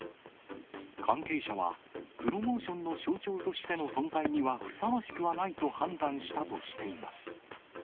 関係者は、プロモーションの象徴としての存在にはふさわしくはないと判断したとしています。